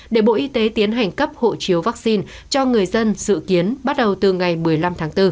để bộ y tế tiến hành cấp hộ chiếu vaccine cho người dân dự kiến bắt đầu từ ngày một mươi năm tháng bốn